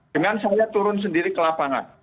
dengan saya turun sendiri ke lapangan